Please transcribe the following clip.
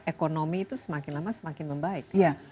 ekonomi itu semakin lama semakin membaik